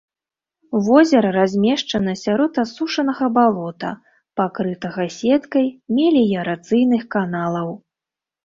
Возера размешчана сярод асушанага балота, пакрытага сеткай меліярацыйных каналаў.